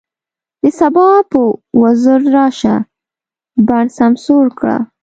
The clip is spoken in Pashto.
د سبا په وزر راشه، بڼ سمسور کړه